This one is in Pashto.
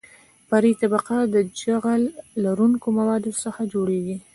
فرعي طبقه د جغل لرونکو موادو څخه جوړیږي